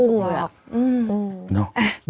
กลุ่มเลยค่ะ